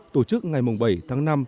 tổ chức ngày bảy tháng năm